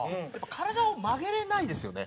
体を曲げられないですよね。